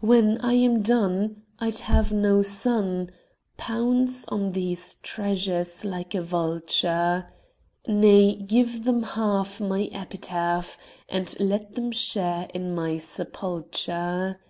When I am done, I'd have no son Pounce on these treasures like a vulture; Nay, give them half My epitaph And let them share in my sepulture.